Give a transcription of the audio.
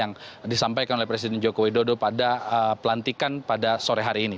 yang disampaikan oleh presiden joko widodo pada pelantikan pada sore hari ini